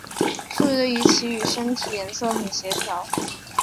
素色的鱼鳍与身体颜色很协调。